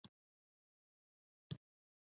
آیا جوماتونه په کاشي نه دي ښکلي شوي؟